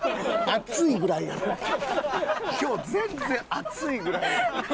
今日全然暑いぐらい。